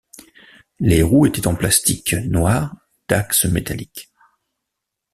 Les roues étaient en plastique noir d'axe métallique.